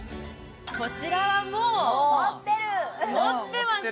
こちらはもう持ってる持ってます